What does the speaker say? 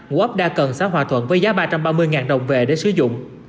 của ấp đa cần xã hòa thuận với giá ba trăm ba mươi đồng vệ để sử dụng